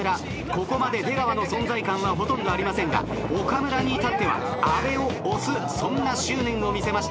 ここまで出川の存在感はほとんどありませんが岡村に至っては阿部を押すそんな執念を見せました。